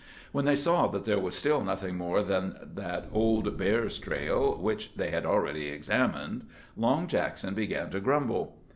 When they saw that there was still nothing more than that old bear's trail, which they had already examined, Long Jackson began to grumble.